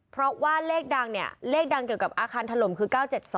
เพราะว่าเลขดังเกี่ยวกับอาคารถล่มคือ๙๗๒